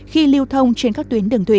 khi lưu thông trên các tuyến đường thủy